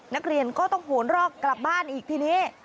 นักเรียนก็ต้องโหนรอกกลับบ้านอีกทีนี้